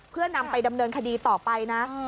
เพื่อนำไปดำเนินคดีต่อไปนะ